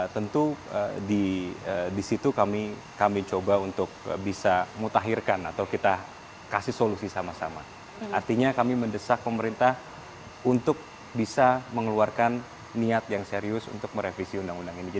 tentu di di situ kami kami coba untuk ke bisa mutakhirkan atau kita kasih solusi sama sama artinya kami mendesak pemerintah untuk bisa mengeluarkan eating untuk merevisi undang undang ini kita welcome